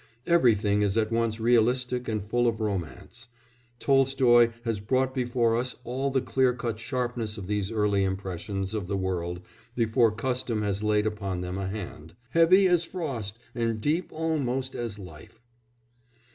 Everything is at once realistic and full of romance; Tolstoy has brought before us all the clear cut sharpness of these early impressions of the world before custom has laid upon them a hand "heavy as frost and deep almost as life."